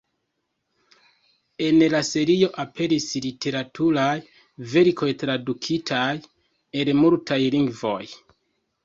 En la serio aperis literaturaj verkoj, tradukitaj el multaj lingvoj.